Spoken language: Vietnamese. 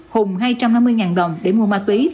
hùng hai trăm hai mươi đồng để mua ma túy